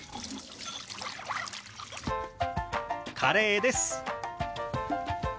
カレーです。